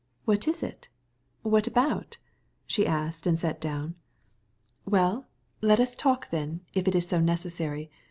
"Why, what is it? What about?" she asked, sitting down. "Well, let's talk, if it's so necessary.